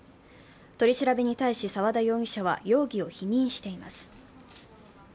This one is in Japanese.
取り調べに対し、沢田容疑者は容疑を否認しています。